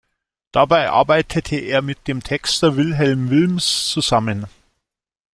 Dabei arbeitete er mit dem Texter Wilhelm Willms zusammen.